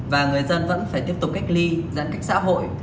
và người dân vẫn phải tiếp tục cách ly giãn cách xã hội